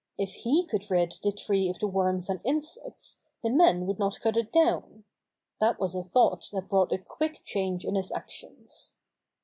If he could rid the tree of the worms and insects, the men would not cut it down. That was a thought that brought a quick change in his actions.